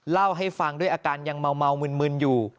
เล่าให้ฟังด้วยอาการยังเมามึนอยู่